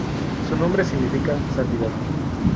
Su nombre significa "santidad".